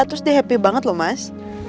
terus dia happy banget loh mas